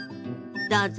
どうぞ。